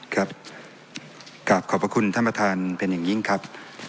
ครับขอบพระคุณท่านประธานเป็นอย่างนี้ครับ